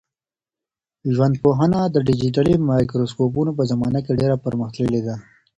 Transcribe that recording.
ژوندپوهنه د ډیجیټلي مایکروسکوپونو په زمانه کي ډېره پرمختللې ده.